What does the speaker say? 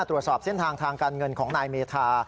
ตรวจสอบเส้นทางทางการเงินของนายเมธา